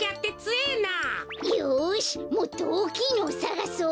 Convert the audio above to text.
よしもっとおおきいのをさがそう。